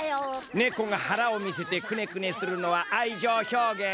ねこがはらをみせてクネクネするのはあいじょうひょうげん。